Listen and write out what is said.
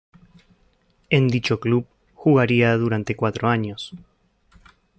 En dicho club jugaría durante cuatro años.